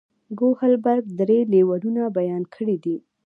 کوهلبرګ درې لیولونه بیان کړي دي.